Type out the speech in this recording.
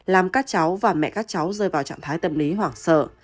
làm các cháu và mẹ các cháu rơi vào trạng thái tâm lý hoảng sợ